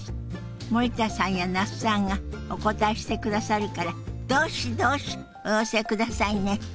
森田さんや那須さんがお答えしてくださるからどしどしお寄せくださいね！